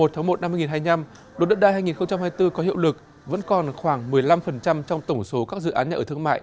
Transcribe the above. từ ngày một một hai nghìn hai mươi luật đất đai hai nghìn hai mươi bốn có hiệu lực vẫn còn khoảng một mươi năm trong tổng số các dự án nhà ở thương mại